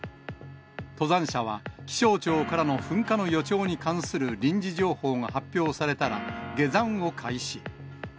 登山者は、気象庁からの噴火の予兆に関する臨時情報が発表されたら、下山を開始。